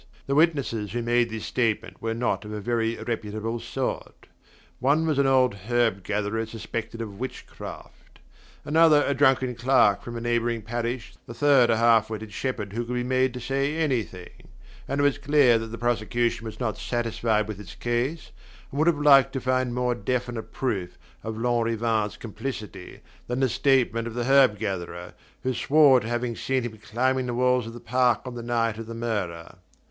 The witnesses who made this statement were not of a very reputable sort. One was an old herb gatherer suspected of witch craft, another a drunken clerk from a neighbouring parish, the third a half witted shepherd who could be made to say anything; and it was clear that the prosecution was not satisfied with its case, and would have liked to find more definite proof of Lanrivain's complicity than the statement of the herb gatherer, who swore to having seen him climbing the wall of the park on the night of the murder.